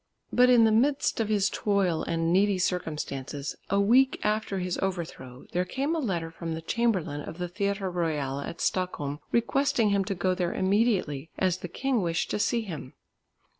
But in the midst of his toil and needy circumstances, a week after his overthrow, there came a letter from the chamberlain of the Theatre Royal at Stockholm, requesting him to go there immediately as the king wished to see him.